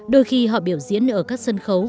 đôi khi họ biểu diễn ở các sân khấu